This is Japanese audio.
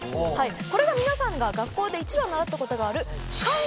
これが皆さんが学校で一度は習ったことがある。